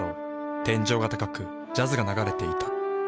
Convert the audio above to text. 天井が高くジャズが流れていた。